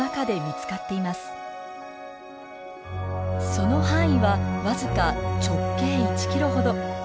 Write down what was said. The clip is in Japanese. その範囲は僅か直径１ｋｍ程。